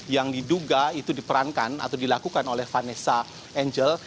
yang diduga itu diperankan atau dilakukan oleh vanessa angel